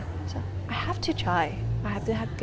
jadi saya harus mencoba saya harus mencoba